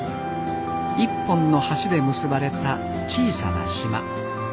一本の橋で結ばれた小さな島。